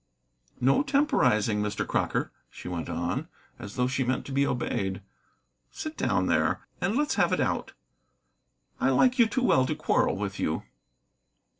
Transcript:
"No temporizing, Mr. Crocker," she went on, as though she meant to be obeyed; "sit down there, and let's have it out. I like you too well to quarrel with you."